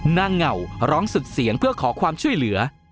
เหงาร้องสุดเสียงเพื่อขอความช่วยเหลือ